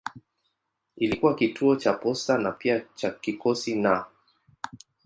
Ilikuwa kituo cha posta na pia cha kikosi na.